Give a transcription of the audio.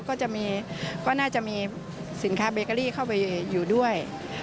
ก็น่าจะมีสินค้าเบเกอรี่เข้าไปอยู่ด้วย